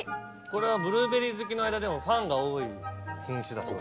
これはブルーベリー好きの間でもファンが多い品種だそうです。